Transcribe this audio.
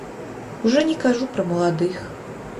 Ужо не кажу пра маладых.